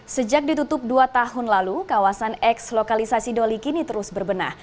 sejak ditutup dua tahun lalu kawasan eks lokalisasi doli kini terus berbenah